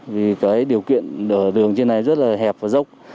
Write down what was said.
vì cái điều kiện đường trên này rất là hẹp và dốc